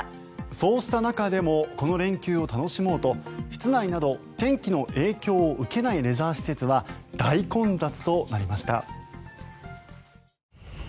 そうした中でもこの連休を楽しもうと室内など天気の影響を受けないレジャー施設は大混雑となりました。